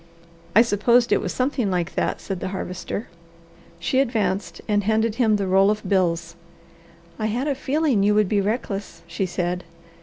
"I supposed it was something like that," said the Harvester. She advanced and handed him the roll of bills. "I had a feeling you would be reckless," she said.